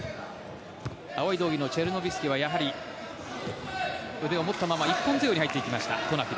青い道着のチェルノビスキは腕を持ったまま一本背負いに入っていきました。